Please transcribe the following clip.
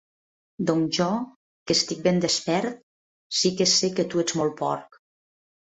Doncs jo, que estic ben despert, sí que sé que tu ets molt porc.